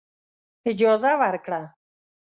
اجازه ورکړه.